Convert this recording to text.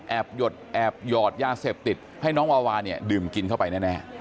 แอบหยอดยาเสพติดให้น้องวาวาเนี่ยดื่มกินเข้าไปแน่